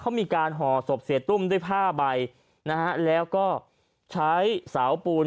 เขามีการห่อศพเสียตุ้มด้วยผ้าใบนะฮะแล้วก็ใช้เสาปูน